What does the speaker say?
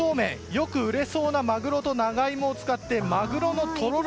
よく売れそうなマグロと長芋を使ってマグロのとろろ